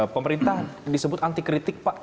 pemerintah disebut anti kritik pak